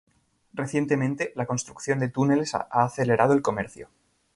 Recientemente, la construcción de túneles ha acelerado el comercio.